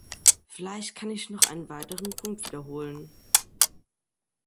Vielleicht kann ich noch einen weiteren Punkt wiederholen.